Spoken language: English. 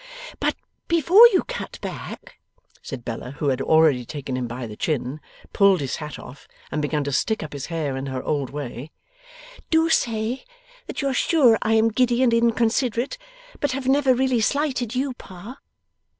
'But before you cut back,' said Bella, who had already taken him by the chin, pulled his hat off, and begun to stick up his hair in her old way, 'do say that you are sure I am giddy and inconsiderate, but have never really slighted you, Pa.